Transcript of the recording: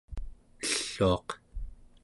elluaq